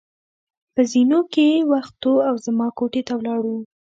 په زېنو کې وختو او زما کوټې ته ولاړو.